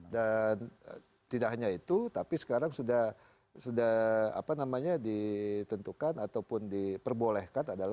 dan tidak hanya itu tapi sekarang sudah apa namanya ditentukan ataupun diperbolehkan adalah kampanye terbuka